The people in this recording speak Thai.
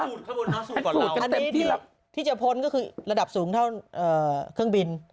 แต่ที่จะพ้นก็คือระดับสูงเท่าเครื่องบิน